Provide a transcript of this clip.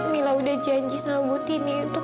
mila sudah janji sama ibu tini untuk